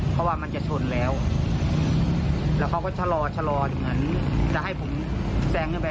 เพราะว่ามันจะชนแล้วแล้วเขาก็ชะลอชะลออยู่เหมือนจะให้ผมแซงขึ้นไป